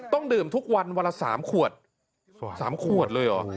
ต้องดื่มทุกวันวันละ๓ขวด๓ขวดเลยเหรอ